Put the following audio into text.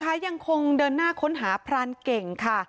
ยังคงเดินหน้าค้นหาพรานเก่งค่ะ